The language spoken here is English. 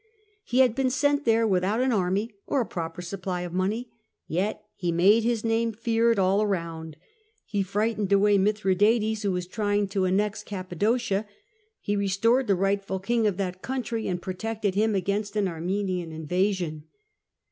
He had been sent there without an army or a proper supply of money, yet he made his name feared ^]I around. He frightened away Mitliradates, who was 122 SULLA trying to annex Cappadocia ; he restored the rightful king of that country, and protected him against an Armenian invasion.